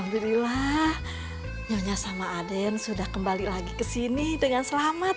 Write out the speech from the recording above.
alhamdulillah nyonya sama aden sudah kembali lagi ke sini dengan selamat